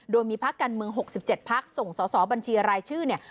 โดยมีพักการเมือง๖๗พักส่งสอสอบัญชีรายชื่อเนี่ย